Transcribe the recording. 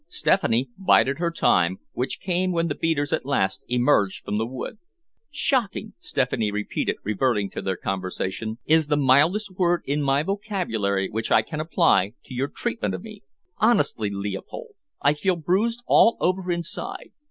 Stephanie bided her time, which came when the beaters at last emerged from the wood. "Shocking," Stephanie repeated reverting to their conversation, "is the mildest word in my vocabulary which I can apply to your treatment of me. Honestly, Leopold, I feel bruised all over inside.